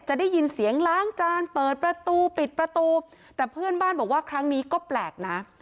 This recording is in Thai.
จะได้ยินเสียงล้างจานเปิดประตูปิดประตูแต่เพื่อนบ้านบอกว่าครั้งนี้ก็แปลกนะ